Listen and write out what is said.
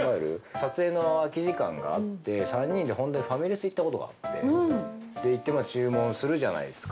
撮影の空き時間があって、３人で本当にファミレス行ったことがあって、で、行って注文するじゃないですか。